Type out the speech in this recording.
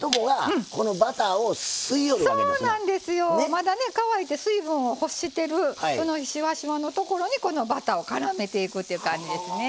まだね乾いて水分を欲してるそのしわしわのところにこのバターをからめていくという感じですね。